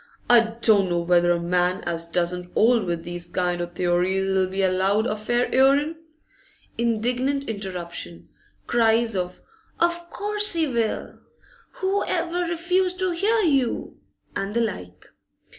'I don't know whether a man as doesn't 'old with these kind o' theories 'll be allowed a fair 'earin ' Indignant interruption. Cries of 'Of course he will!' 'Who ever refused to hear you?' and the like.